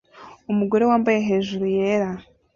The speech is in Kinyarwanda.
Umugore wambaye hejuru yera